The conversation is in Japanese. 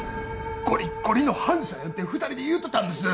ゴリッゴリの反社やんって２人で言うてたんです！